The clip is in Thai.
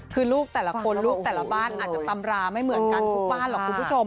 คือลูกแต่ละคนลูกแต่ละบ้านอาจจะตำราไม่เหมือนกันทุกบ้านหรอกคุณผู้ชม